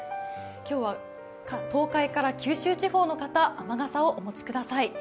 今日は東海から九州地方の方、雨傘をお持ちください。